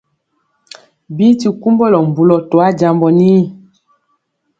Bi ti kumbulɔ mbulɔ to ajambɔ.